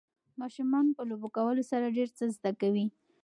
ماشومان په لوبې کولو سره ډېر څه زده کوي.